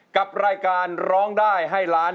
กับรายการร้องได้ให้ล้าน